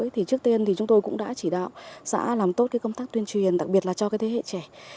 thì trước tiên chúng tôi cũng đã chỉ đạo xã làm tốt công tác tuyên truyền đặc biệt là cho thế hệ trẻ